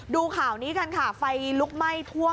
ดูข่าวนี้กันค่ะไฟลุกไหม้ท่วม